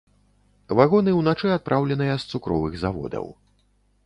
Вагоны ўначы адпраўленыя з цукровых заводаў.